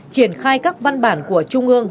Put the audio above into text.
triển khai các văn bản của trung ương